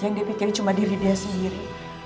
yang dipikirin cuma diri dia sendiri